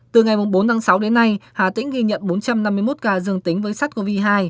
từ ngày bốn sáu đến nay hà tĩnh ghi nhận bốn trăm năm mươi một ca dương tính với sát covid hai